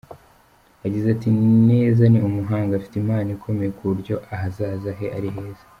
Yagize ati “Neza ni umuhanga, afite impano ikomeye ku buryo ahazaza he ari heza.